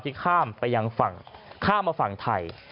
ข้ามไปยังฝั่งข้ามมาฝั่งไทย